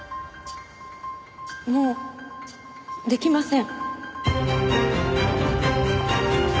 もうできません。